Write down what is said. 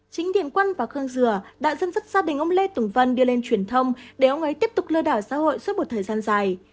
chính điển quân và khương dừa đã dân dắt gia đình ông lê tưởng vân đưa lên truyền thông để ông ấy tiếp tục lơ đảo xã hội suốt một thời gian dài